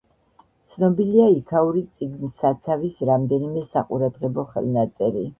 ცნობილია იქაური წიგნსაცავის რამდენიმე საყურადღებო ხელნაწერი.